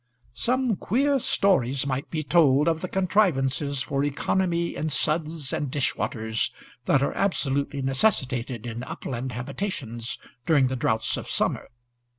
Some queer stories might be told of the contrivances for economy in suds and dish waters that are absolutely necessitated in upland habitations during the droughts of summer.